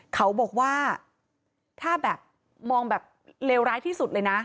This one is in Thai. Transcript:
เขาบอกว่าถ้าแบบมองแบบเลวร้ายที่สุดเลยนะ